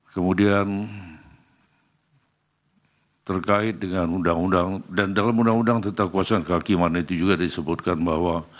kemudian terkait dengan undang undang dan dalam undang undang tentang kekuasaan kehakiman itu juga disebutkan bahwa